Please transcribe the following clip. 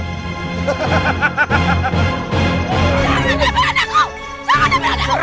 ayolah ikut aku